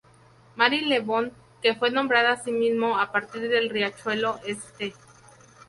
Marylebone, que fue nombrada asimismo a partir del riachuelo "St.